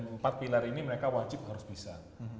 empat pilar ini mereka wajib harus bisa